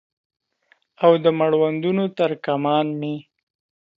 او د مړوندونو تر کمان مې